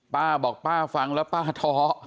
ป้าบอกป้าฟังแล้วป้าท้อ